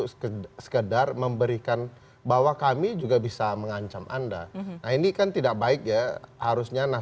karena itu dengan dukungan